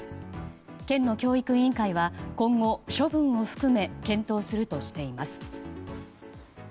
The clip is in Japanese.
県の教育委員会は今後、処分を含め検討するとしています。